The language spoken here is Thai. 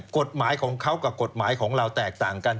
กฎหมายของเขากับกฎหมายของเราแตกต่างกัน